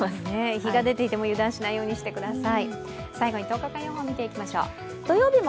日が出ていても油断しないようにしてください。